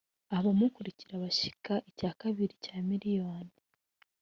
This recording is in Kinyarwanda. abamukurikira bashyika icya kabiri cya miliyoni